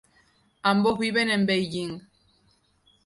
Ambos viven en Beijing.